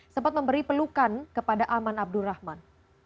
sempat memberi pelukan kepada aman abdurrahman